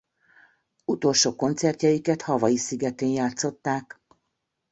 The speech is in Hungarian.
Utolsó koncertjeiket Hawaii szigetén játszották.